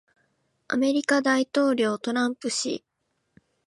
米大統領トランプ氏